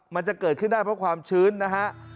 มันจะเกิดขึ้นได้เพราะความชื้นนะฮะ